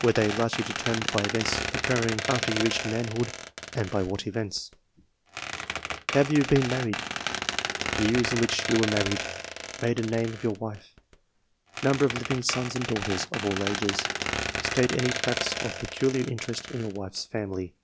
Were they largely determined by events occurring after you reached manhood, and by what events ? Have you been married ? Year in which you were maiTied ? Maiden name of your wife ? Number of living sons and daughters (of all ages) ? State any facts of peculiar interest in your wife's family.